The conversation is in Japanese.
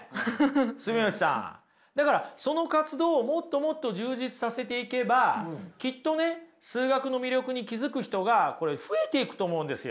住吉さんだからその活動をもっともっと充実させていけばきっとね数学の魅力に気付く人がこれ増えていくと思うんですよ。